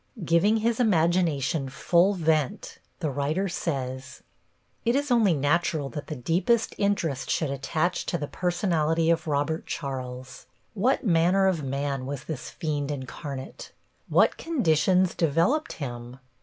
Giving his imagination full vent the writer says: It is only natural that the deepest interest should attach to the personality of Robert Charles. What manner of man was this fiend incarnate? What conditions developed him?